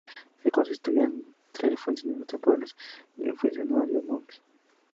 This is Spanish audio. Se constituía de tres funcionarios temporales y un funcionario monje.